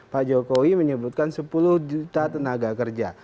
pak jokowi menyebutkan sepuluh juta tenaga kerja